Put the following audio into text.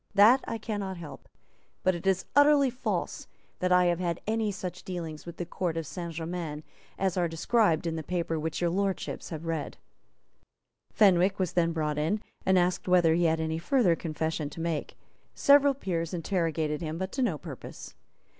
That I cannot help. But it is utterly false that I have had any such dealings with the Court of Saint Germains as are described in the paper which Your Lordships have heard read." Fenwick was then brought in, and asked whether he had any further confession to make. Several peers interrogated him, but to no purpose.